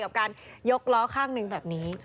กับการยกล้อข้างหนึ่งแบบนี้